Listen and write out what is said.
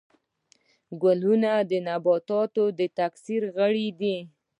ګلونه د نباتاتو د تکثیر غړي دي